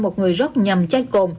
một người rót nhầm chai cồn